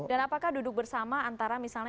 dan apakah duduk bersama antara misalnya